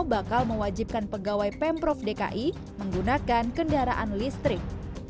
bakal mewajibkan pegawai pemprov dki menggunakan kendaraan listrik